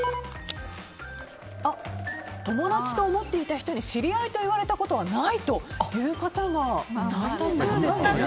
友達と思っていた人に知り合いと言われたことがないという方が大多数ですね。